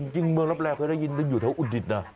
จริงเมืองรับแร่เคยได้ยินอยู่แถวอุดิษฐ์นะ